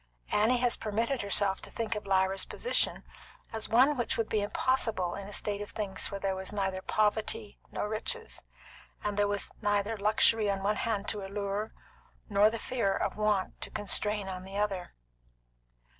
Annie has permitted herself to think of Lyra's position as one which would be impossible in a state of things where there was neither poverty nor riches, and there was neither luxury on one hand to allure, nor the fear of want to constrain on the other.